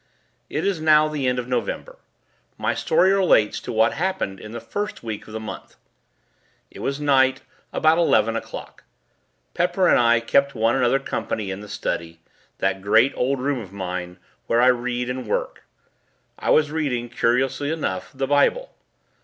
It is now the end of November. My story relates to what happened in the first week of the month. It was night, about eleven o'clock. Pepper and I kept one another company in the study that great, old room of mine, where I read and work. I was reading, curiously enough, the Bible.